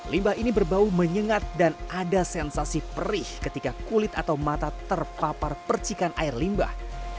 limbah ini berbau menyengat dan ada sensasi perih ketika kulit atau mata terpapar percikan air limbah